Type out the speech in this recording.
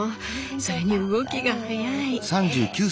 それに動きが早い！